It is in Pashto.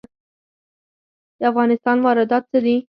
د افغانستان واردات څه دي؟